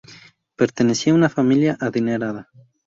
Pertenecía a una familia adinerada.